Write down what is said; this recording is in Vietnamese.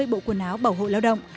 một mươi bộ quần áo bảo hộ lao động